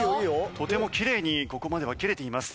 とてもきれいにここまでは切れています。